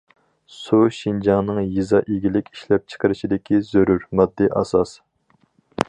سۇ شىنجاڭنىڭ يېزا ئىگىلىك ئىشلەپچىقىرىشىدىكى زۆرۈر ماددىي ئاساس.